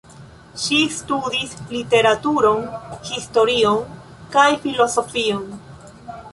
Ŝi studis literaturon, historion kaj filozofion.